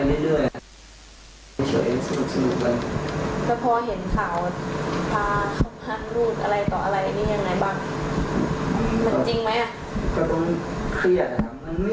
จริงแหละไอ้ที่จะหย่าจะนู่นนี่นั่นกับแฟนอะไรอย่างนี้